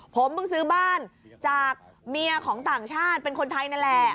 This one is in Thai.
ผมเพิ่งซื้อบ้านจากเมียของต่างชาติเป็นคนไทยนั่นแหละ